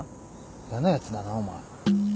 やなやつだなお前。